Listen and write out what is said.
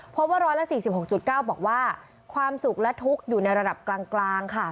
เพราะว่าร้อยละสี่สิบหกจุดเก้าบอกว่าความสุขและทุกข์อยู่ในระดับกลางค่ะ